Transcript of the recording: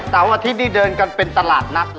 แต่วันอาทิตย์นี้เดินกันเป็นตลาดนักเลย